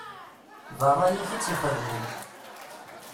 D ṛṛay-ik i tt-ixedmen.